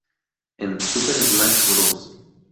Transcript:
En "Super Smash Bros.